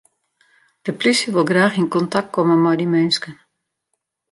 De polysje wol graach yn kontakt komme mei dy minsken.